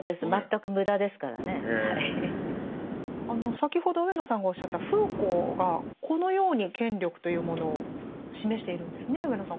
先ほど上野さんがおっしゃったフーコーがこのように権力というものを示しているんですね上野さん。